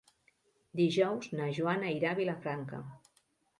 Dijous na Joana irà a Vilafranca.